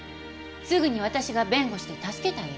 すぐに私が弁護して助けてあげる。